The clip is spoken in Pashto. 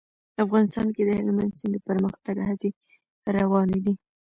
افغانستان کې د هلمند سیند د پرمختګ هڅې روانې دي.